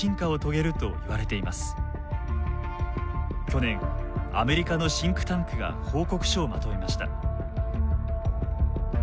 去年アメリカのシンクタンクが報告書をまとめました。